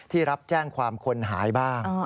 รับแจ้งความคนหายบ้าง